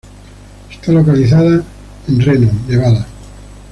Está localizada en en Reno, Nevada.